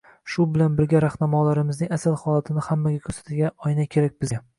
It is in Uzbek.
“Shu bilan birga rahnamolarimizning asl holatini hammaga ko‘rsatadigan oyna kerak bizga!